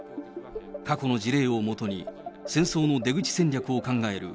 過去の事例をもとに、戦争の出口戦略を考える